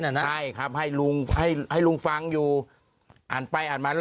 ใช่ครับให้ลุงฟังอยู่อ่านไปอ่านมา